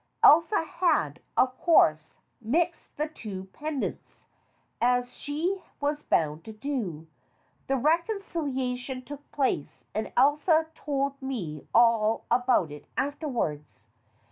Elsa had, of course, mixed the two pendants, as she was bound to do. The reconciliation took place, and Elsa told me all about it afterwards.